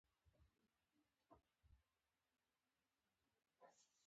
د ستړیا د لرې کولو لپاره خرما وخورئ